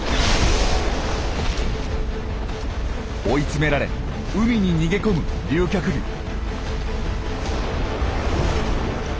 追い詰められ海に逃げ込む竜脚類。